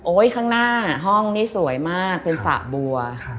ข้างหน้าห้องนี่สวยมากเป็นสระบัว